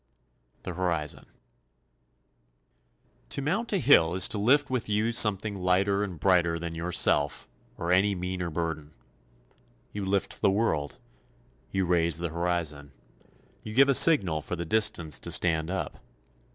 THE HORIZON To mount a hill is to lift with you something lighter and brighter than yourself or than any meaner burden. You lift the world, you raise the horizon; you give a signal for the distance to stand up.